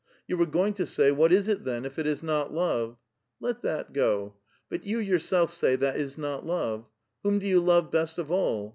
"You were going to say, 'What is it, then, if it is not love V Let that go ; but you yourself sa\* that is not love. Whom do you love best of all